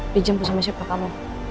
dia jemput sama siapa kamu